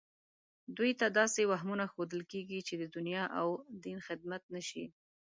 دوی ته داسې وهمونه ښودل کېږي چې د دنیا او دین خدمت نه شي